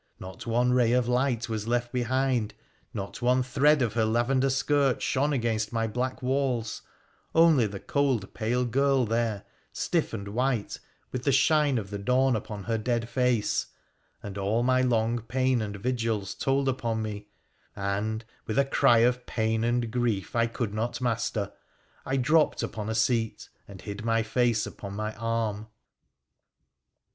Not one ray of light was left behind — not one ;hread of her lavender skirt shone against my black walls — mly the cold, pale girl there, stiff and white, with the shine jf the dawn upon her dead face ; and all my long pain and 225 WONDERFUL ADVENTURES OF vigils told upon me, and, with a cry of pain and grief I could not master, I dropped upon a seat and hid my face upon my arm.